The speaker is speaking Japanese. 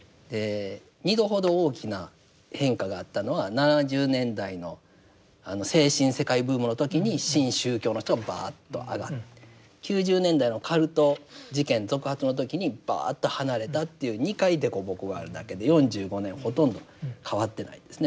二度ほど大きな変化があったのは７０年代のあの精神世界ブームの時に新宗教の人がバーッと上がって９０年代のカルト事件続発の時にバーッと離れたという２回凸凹があるだけで４５年ほとんど変わってないんですね。